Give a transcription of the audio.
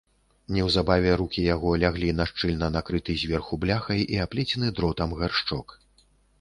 Неўзабаве рукі яго ляглі на шчыльна накрыты зверху бляхай і аплецены дротам гаршчок.